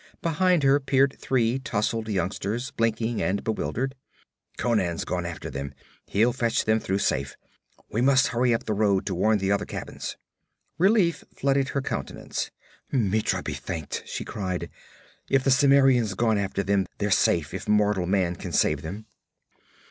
Behind her peered three tousled youngsters, blinking and bewildered. 'Conan's gone after them. He'll fetch them through safe. We must hurry up the road to warn the other cabins.' Relief flooded her countenance. 'Mitra be thanked!' she cried. 'If the Cimmerian's gone after them, they're safe if mortal man can save them!'